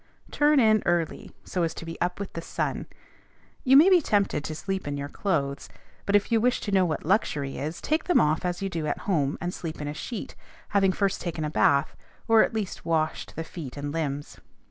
"Turn in" early, so as to be up with the sun. You may be tempted to sleep in your clothes; but if you wish to know what luxury is, take them off as you do at home, and sleep in a sheet, having first taken a bath, or at least washed the feet and limbs.